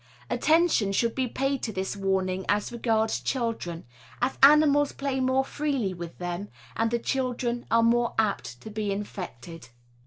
Attention should be paid to this warning as regards children, as animals play more freely with them and the children are more apt to be infected.